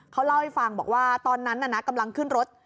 เขาเล่าให้ฟังบอกว่าตอนนั้นน่ะนะกำลังขึ้นรถ